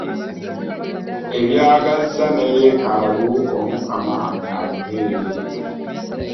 Ebyaggaza ne yeekaalu Omukama atubeere.